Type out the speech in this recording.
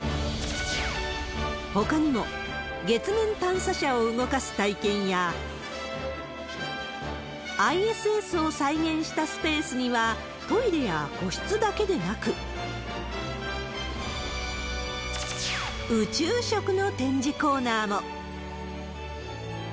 ほかにも、月面探査車を動かす体験や、ＩＳＳを再現したスペースには、トイレや個室だけでなく、宇宙食の展示コーナーも。